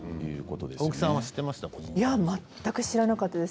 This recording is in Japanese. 全く知らなかったです。